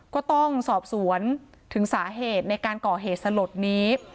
ก็ต้องสอบสวนถึงสาเหตุในการก่อเหตุสลดนี้